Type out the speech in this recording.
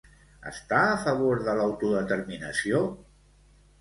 Està a favor de l'autodeterminació?